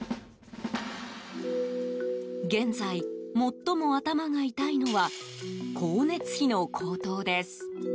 現在、最も頭が痛いのは光熱費の高騰です。